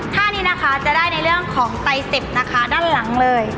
ท่านี้นะคะจะได้ในเรื่องของไตสิบนะคะด้านหลังเลย